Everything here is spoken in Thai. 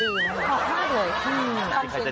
ดีมากเลย